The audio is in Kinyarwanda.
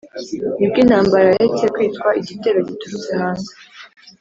nibwo intambara yaretse kwitwa igitero giturutse hanze